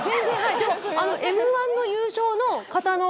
Ｍ−１の優勝の方の。